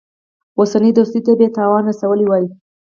اوسنۍ دوستۍ ته به یې تاوان رسولی وای.